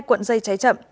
hai cuộn dây cháy chậm